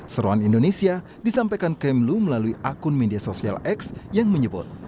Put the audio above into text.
seruan indonesia disampaikan kemlu melalui akun media sosial x yang menyebut